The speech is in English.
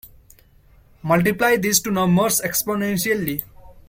Multiply these two numbers exponentially.